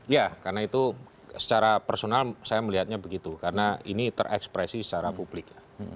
ya karena itu secara personal saya melihatnya begitu karena ini terekspresi secara publik ya